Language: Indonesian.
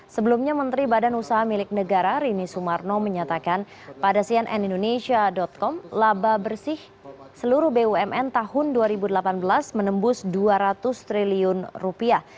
sebelumnya menteri badan usaha milik negara rini sumarno menyatakan pada cnn indonesia com laba bersih seluruh bumn tahun dua ribu delapan belas menembus dua ratus triliun rupiah